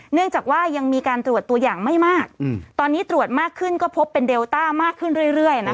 เนื่องจากว่ายังมีการตรวจตัวอย่างไม่มากตอนนี้ตรวจมากขึ้นก็พบเป็นเดลต้ามากขึ้นเรื่อย